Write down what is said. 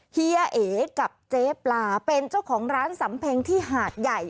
เฮียเอกับเจ๊ปลาเป็นเจ้าของร้านสำเพ็งที่หาดใหญ่